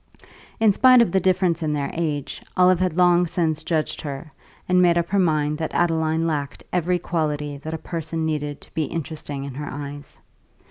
In spite of the difference in their age, Olive had long since judged her, and made up her mind that Adeline lacked every quality that a person needed to be interesting in her eyes.